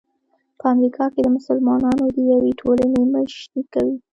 په امریکا کې د مسلمانانو د یوې ټولنې مشري کوي.